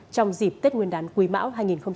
trong dịp tết nguyên đán quý mão hai nghìn hai mươi